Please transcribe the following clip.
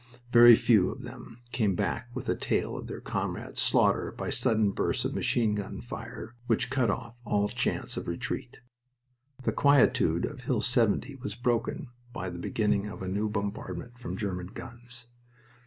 Very few of them came back with the tale of their comrades' slaughter by sudden bursts of machine gun fire which cut off all chance of retreat.... The quietude of Hill 70 was broken by the beginning of a new bombardment from German guns.